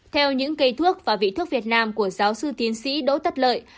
theo những cây thuốc và vị thuốc việt nam của giáo sư tiến sĩ đỗ tất lợi